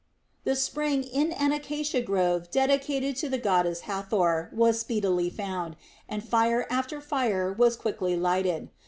The spring in an acacia grove dedicated to the goddess Hathor was speedily found, and fire after fire was quickly lighted.